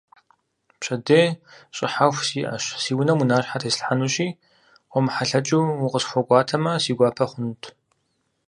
Пщэдей щӀыхьэху сиӀэщ, си унэм унащхьэ теслъхьэнущи, къомыхьэлъэкӀыу укъысхуэкӀуатэмэ, си гуапэ хъунт.